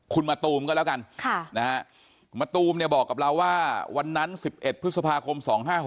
คุณมะตูมก็แล้วกันมะตูมเนี่ยบอกกับเราว่าวันนั้น๑๑พฤษภาคม๒๕๖๖